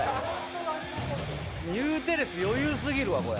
ニューテレス余裕すぎるわこれ。